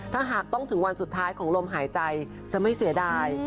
ถ้าหากต้องถึงวันสุดท้ายของลมหายใจจะไม่เสียดาย